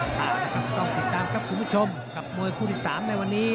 ต้องติดตามครับคุณผู้ชมกับมวยคู่ที่สามในวันนี้